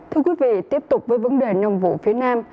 thưa quý vị tiếp tục với vấn đề nông vụ phía nam